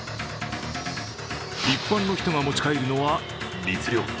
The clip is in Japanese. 一般の人が持ち帰るのは密漁。